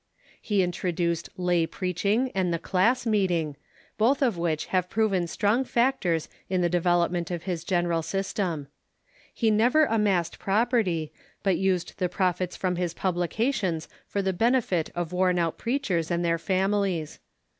He introduced lay preaching and the class meeting, both of which have proven strong factors in the development of his general system. He never amassed property, but used the prof its from his publications for the benefit of worn out preachers and their families.